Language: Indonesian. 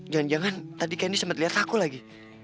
jangan jangan tadi kendi sempat lihat aku lagi